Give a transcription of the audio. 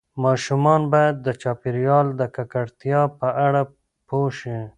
ماشومان باید د چاپیریال د ککړتیا په اړه پوه شي.